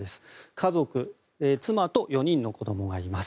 家族妻と４人の子どもがいます。